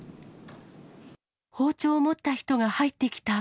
包丁を持った人が入ってきた。